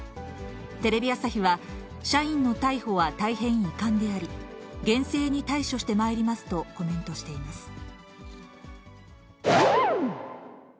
テレビ朝日は、社員の逮捕は大変遺憾であり、厳正に対処してまいりますとコメントしています。